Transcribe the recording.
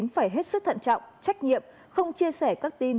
phải hết sức thận trọng trách nhiệm không chia sẻ các tin